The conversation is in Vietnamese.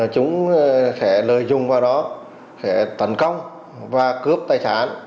chúng sẽ lợi dụng vào đó sẽ tấn công và cướp tài sản